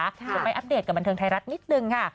เดี๋ยวไปอัปเดตกับบันเทิงไทยรัฐนิดนึงค่ะ